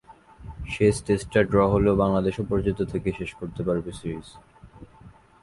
শেষ টেস্টটা ড্র হলেও বাংলাদেশ অপরাজিত থেকে শেষ করতে পারবে সিরিজ।